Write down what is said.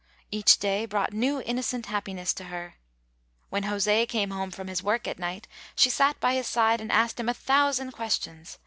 Each day brought new innocent happiness to her. When José came home from his work at night, she sat by his side and asked him a thousand questions.